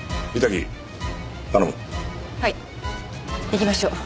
行きましょう。